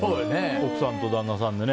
奥さんと旦那さんでね。